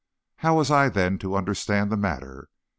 How was I, then, to understand the matter?